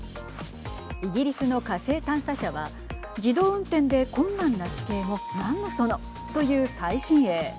イギリスの火星探査車は自動運転で困難な地形もなんのそのという最新鋭。